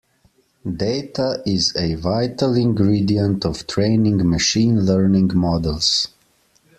Data is a vital ingredient of training machine learning models.